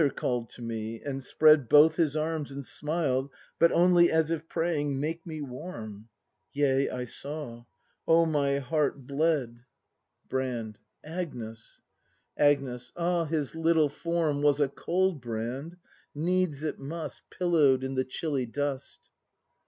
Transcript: call'd to me, and spread Both his arms, and smiled, but only As if praying: "Make me warm." Yea, I saw! — Oh, my heart bled 160 BRAND [ACT iv Brand. Agnes ! Agnes. Ah, his Httle form Was a cold, Brand! Needs it must, Pillow'd in the chilly dust.